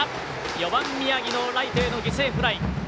４番、宮城のライトへの犠牲フライ。